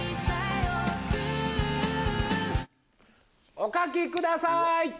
お書きください！